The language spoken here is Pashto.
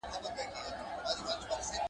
• باز چي هر څونه وږی سي، چونگوښي نه خوري.